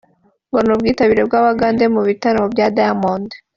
ngo ni ubwitabire bw’abagande mu bitaramo bya Diamond